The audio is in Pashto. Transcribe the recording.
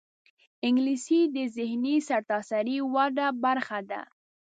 انګلیسي د ذهني سرتاسري وده برخه ده